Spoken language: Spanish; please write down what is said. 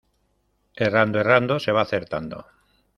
Errando, errando, se va acertando.